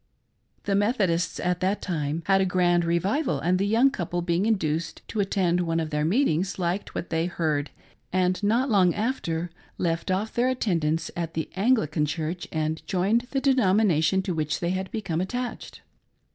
The Methodists at that time had a grand revival, and the young couple being induced to attend one of their meetings, liked what they heard, and, not long after, left off their attendance at the Anglican Church and joined the denomination to which they had become attached.